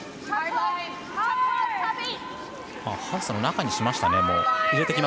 ハウスの中にしましたね。